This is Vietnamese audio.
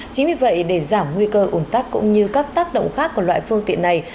chính vì vậy để giảm nguy cơ ủng tắc cũng như các tác động khác của loại phương tiện này